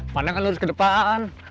panengan lurus ke depan